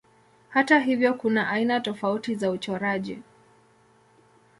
Hata hivyo kuna aina tofauti za uchoraji.